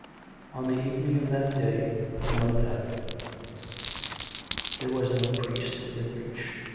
Ill On the evening of that day her mother died. There was no priest within reach.